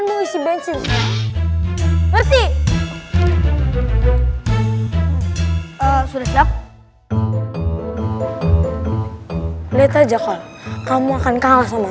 gila ini udah malem